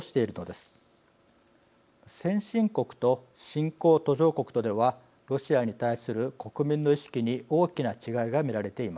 先進国と新興・途上国とではロシアに対する国民の意識に大きな違いが見られています。